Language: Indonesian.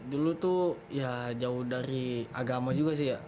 dulu tuh ya jauh dari agama juga sih ya